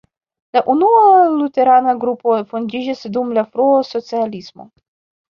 La unua luterana grupo fondiĝis dum la frua socialismo.